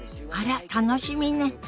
あら楽しみね。